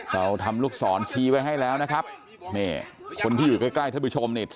เราทำลูกศรชี้ไว้ให้แล้วนะครับนี่คนที่อยู่ใกล้ใกล้ท่านผู้ชมนี่